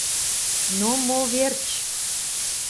Но мо верч?»